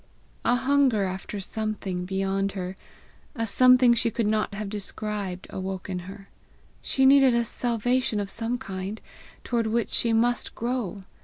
A hunger after something beyond her, a something she could not have described, awoke in her. She needed a salvation of some kind, toward which she must grow!